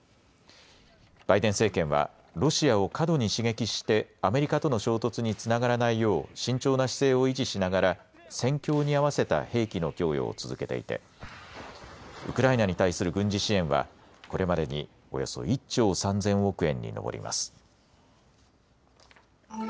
バイデン政権はロシアを過度に刺激してアメリカとの衝突につながらないよう慎重な姿勢を維持しながら戦況に合わせた兵器の供与を続けていてウクライナに対する軍事支援はこれまでにおよそ１兆３０００億円に上ります。